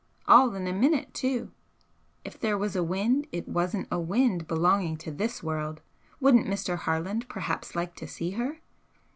All in a minute, too. If there was a wind it wasn't a wind belonging to this world! Wouldn't Mr. Harland perhaps like to see her?"